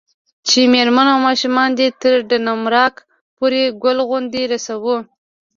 چې میرمن او ماشومان دې تر ډنمارک پورې ګل غوندې رسوو.